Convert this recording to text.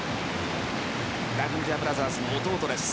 ラグンジヤブラザーズの弟です。